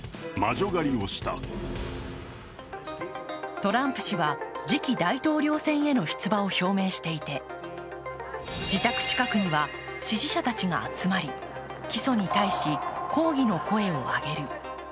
トランプ氏は次期大統領選への出馬を表明していて自宅近くには、支持者たちが集まり起訴に対し、抗議の声を上げる。